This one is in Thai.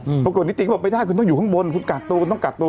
ปรากฏนิติก็บอกไม่ได้คุณต้องอยู่ข้างบนคุณกักตัวคุณต้องกักตัว